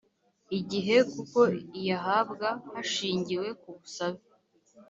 igihe kuko iyahabwa hashingiwe ku busabe